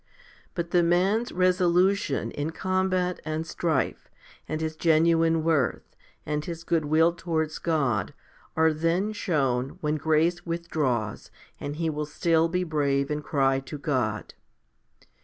But the man's resolution in combat and strife, and his genuine worth, and his goodwill towards God, are then shown when grace withdraws and he will still be brave and cry to God.